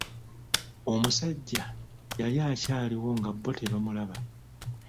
Omusajja yali akyaliwo nga bo tebamulaba.